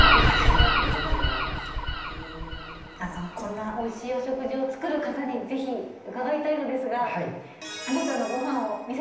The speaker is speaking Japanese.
こんなおいしいお食事を作る方にぜひ伺いたいのですが。